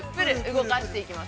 動かしていきます。